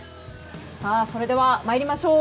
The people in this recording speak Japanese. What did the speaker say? それでは参りましょう。